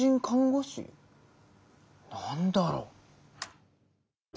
何だろう？